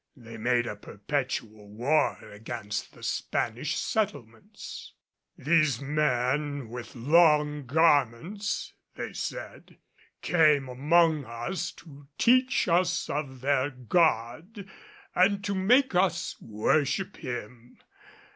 They made a perpetual war against the Spanish settlements. "These men with long garments," they said, "came among us to teach us of their God and to make us worship him.